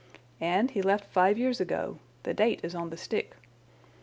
And he left five years ago—the date is on the stick.